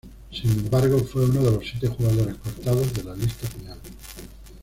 Sin embargo, fue uno de los siete jugadores cortados de la lista final.